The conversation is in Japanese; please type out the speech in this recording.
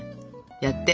やって。